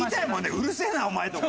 「うるせえなお前」とか。